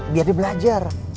biar dia belajar